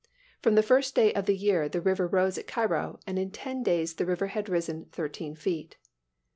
From the first day of the year the river rose at Cairo, and in ten days the river had risen thirteen feet.